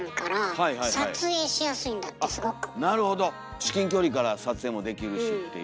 至近距離から撮影もできるしっていう。